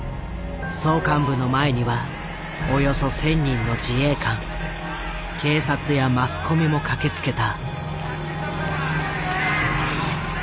総監部の前にはおよそ１，０００人の自衛官警察やマスコミも駆けつけた。